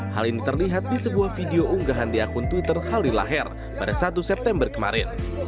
hal ini terlihat di sebuah video unggahan di akun twitter khalil lahir pada satu september kemarin